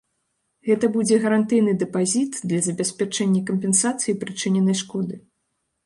Гэта будзе гарантыйны дэпазіт для забеспячэння кампенсацыі прычыненай шкоды.